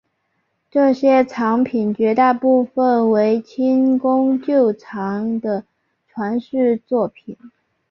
这些藏品绝大部分为清宫旧藏的传世作品。